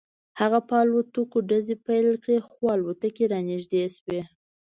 هغه په الوتکو ډزې پیل کړې خو الوتکې رانږدې شوې